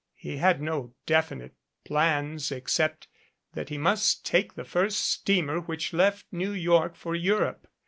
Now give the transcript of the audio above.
He had no definite plans except that he must take the first steamer which left New York for Europe.